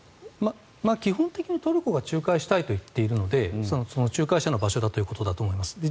基本的にトルコが仲介したいと言っているので仲介者の場所だということだと思います。